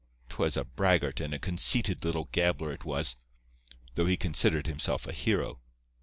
'Twas a braggart and a conceited little gabbler it was, though he considered himself a hero.